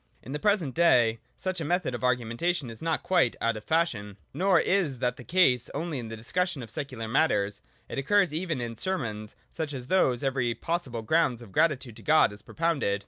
In the present day such a method of argumentation is not quite out of fashion. 121, 122.] THE SUFFICIENT REASON. 229 Nor is that the case only in the discussion of secular matters. It occurs even in sermons, such as those where every pos sible ground of gratitude to God is propounded.